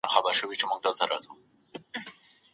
استازي کله د مطبوعاتو ازادي تضمینوي؟